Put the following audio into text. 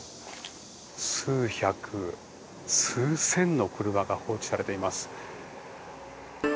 数百、数千の車が放置されています。